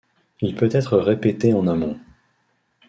Il peut être répété en amont.